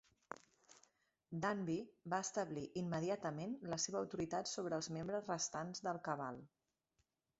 Danby va establir immediatament la seva autoritat sobre els membres restants del Cabal.